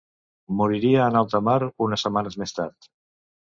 Moriria en alta mar unes setmanes més tard.